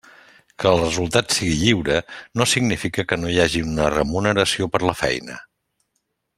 Que el resultat sigui lliure no significa que no hi hagi una remuneració per la feina.